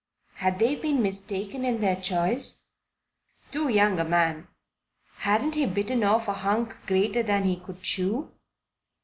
Had they been mistaken in their choice? Too young a man, hadn't he bitten off a hunk greater than he could chew?